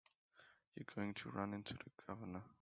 You're going to run into the Governor.